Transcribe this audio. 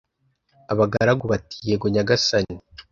abagaragu bati"yego nyagasani